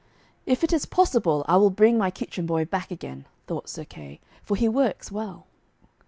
'If it is possible, I will bring my kitchen boy boy back again,' thought Sir Kay, 'for he works well.'